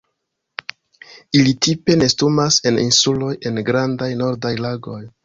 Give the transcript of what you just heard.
Ili tipe nestumas en insuloj en grandaj nordaj lagoj.